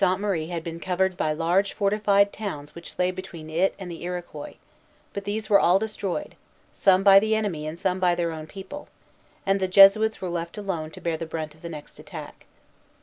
Hitherto Sainte Marie had been covered by large fortified towns which lay between it and the Iroquois; but these were all destroyed, some by the enemy and some by their own people, and the Jesuits were left alone to bear the brunt of the next attack.